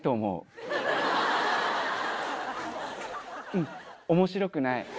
うん面白くない。